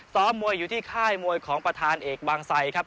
มวยอยู่ที่ค่ายมวยของประธานเอกบางไซครับ